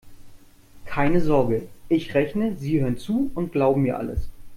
Keine Sorge: Ich rechne, Sie hören zu und glauben mir alles.